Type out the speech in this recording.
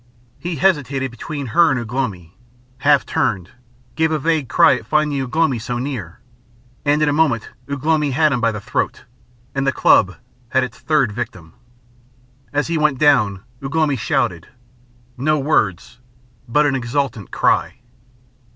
He hesitated between her and Ugh lomi, half turned, gave a vague cry at finding Ugh lomi so near, and in a moment Ugh lomi had him by the throat, and the club had its third victim. As he went down Ugh lomi shouted no words, but an exultant cry.